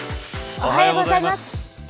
おはようございます。